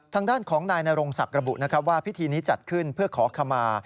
ทางด้านของนายนารงสักกระบุว่าพิธีนี้จัดขึ้นเพื่อขอขมา